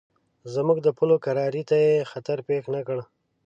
زموږ د پولو کرارۍ ته یې خطر پېښ نه کړ.